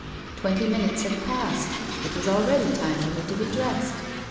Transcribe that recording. Twenty minutes had passed; it was already time for her to be dressed.